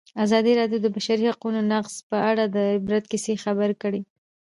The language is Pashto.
ازادي راډیو د د بشري حقونو نقض په اړه د عبرت کیسې خبر کړي.